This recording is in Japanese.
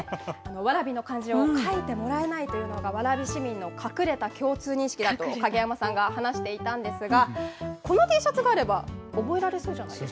蕨の漢字を書いてもらえないというのが、蕨市民の隠れた共通認識だと影山さんが話していたんですが、このＴシャツがあれば、覚えられそうじゃないですか。